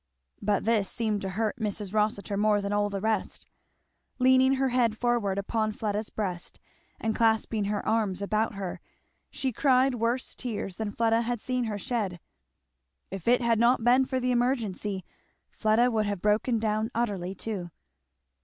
But this seemed to hurt Mrs. Rossitur more than all the rest. Leaning her head forward upon Fleda's breast and clasping her arms about her she cried worse tears than Fleda had seen her shed. If it had not been for the emergency Fleda would have broken down utterly too.